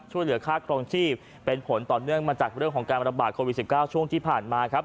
ช่วยเหลือค่าครองชีพเป็นผลต่อเนื่องมาจากเรื่องของการระบาดโควิด๑๙ช่วงที่ผ่านมาครับ